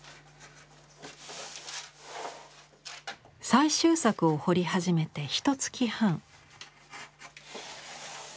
最終作を彫り始めてひとつき半。